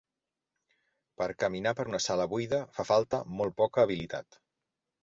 Per caminar per una sala buida fa falta molt poca habilitat.